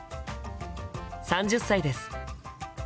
３０歳です。